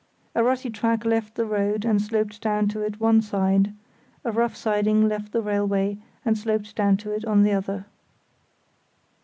A rutty track left the road, and sloped down to it one side; a rough siding left the railway, and sloped down to it on the other.